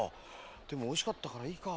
でもおいしかったからいいか。